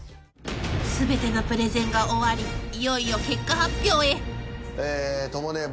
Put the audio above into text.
［全てのプレゼンが終わりいよいよ］ともねえ。